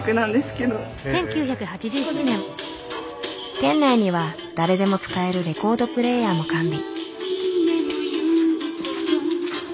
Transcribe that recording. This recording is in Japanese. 店内には誰でも使えるレコードプレーヤーも完備。